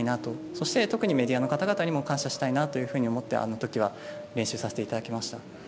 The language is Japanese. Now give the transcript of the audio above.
そして特にメディアの方々にも感謝したいなと思ってあの時は練習させていただきました。